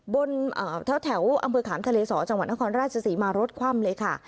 บนแถวอำเภอขามทะเลสอจังหวัดนครราชศรีมารถคว่ำเลยค่ะ